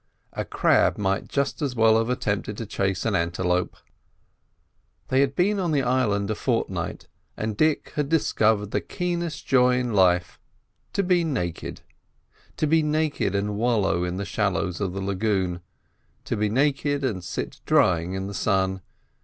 A crab might just as well have attempted to chase an antelope. They had been on the island a fortnight, and Dick had discovered the keenest joy in life—to be naked. To be naked and wallow in the shallows of the lagoon, to be naked and sit drying in the sun.